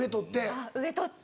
あっ上取って。